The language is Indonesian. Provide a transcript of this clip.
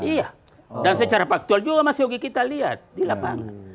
iya dan secara faktual juga mas yogi kita lihat di lapangan